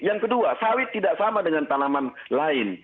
yang kedua sawit tidak sama dengan tanaman lain